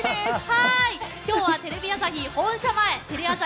今日はテレビ朝日本社前テレアサ